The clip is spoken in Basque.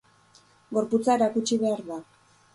Gorputza erakutsi behar da.